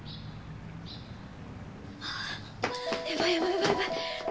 やばいやばいやばいやばい。